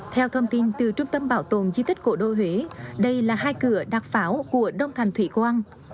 theo thông tin từ trung tâm bảo tồn di tích cổ đô huế đây là hai cửa đặc pháo của đông thành thủy quang